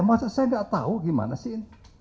masa saya tidak tahu bagaimana sih